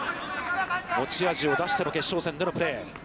持ち味を出しての決勝戦でのプレー。